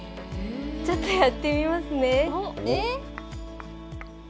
ちょっとやってみますね。